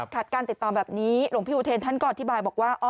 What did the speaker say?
การติดต่อแบบนี้หลวงพี่อุเทรนท่านก็อธิบายบอกว่า